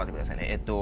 えっと